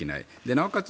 なおかつ